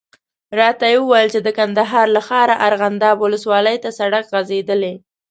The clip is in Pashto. راته یې وویل چې د کندهار له ښاره ارغنداب ولسوالي ته سړک غځېدلی.